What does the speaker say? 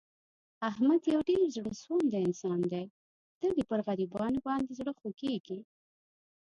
احمد یو ډېر زړه سواندی انسان دی. تل یې په غریبانو باندې زړه خوګېږي.